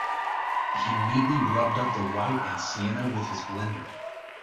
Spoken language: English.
He neatly rubbed up the white and sienna with his blender.